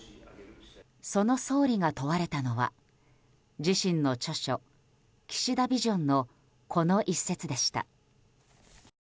その総理が問われたのは自身の著書「岸田ビジョン」のこの一節でした。